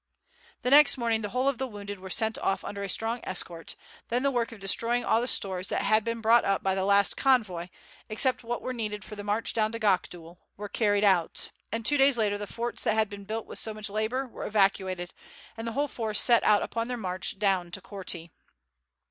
The next morning the whole of the wounded were sent off under a strong escort; then the work of destroying all the stores that had been brought up by the last convoy, except what were needed for the march down to Gakdul, was carried out, and two days later the forts that had been built with so much labour were evacuated, and the whole force set out upon their march down to Korti.